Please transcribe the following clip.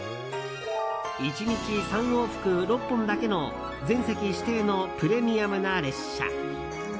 １日３往復６本だけの全席指定のプレミアムな列車。